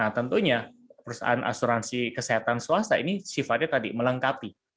nah tentunya perusahaan asuransi kesehatan swasta ini sifatnya tadi melengkapi